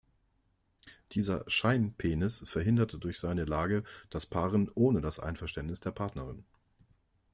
Dieser „Schein-Penis“ verhindert durch seine Lage das Paaren ohne das Einverständnis der Partnerin.